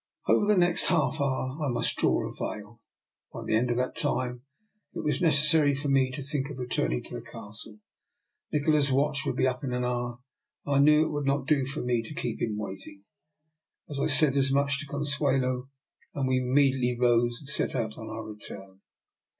Over the next half hour I must draw a veil. By the end of that time it was neces sary for me to think of returning to the Cas tle. Nikola's watch would be up in an hour, and I knew it would not do for me to keep him waiting. I said as much to Consuelo, and we immediately rose and set out on our return.